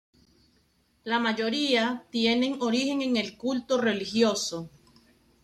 La mayoría tienen origen en el culto religioso.